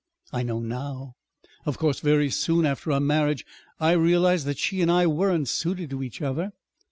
I know now. Of course, very soon after our marriage, I realized that she and I weren't suited to each other.